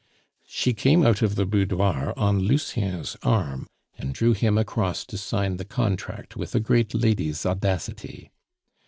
She came out of the boudoir on Lucien's arm, and drew him across to sign the contract with a great lady's audacity.